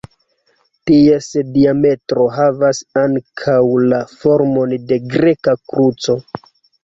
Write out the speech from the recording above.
Ties diametro havas ankaŭ la formon de greka kruco.